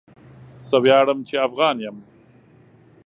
زه وياړم چي افغان يم.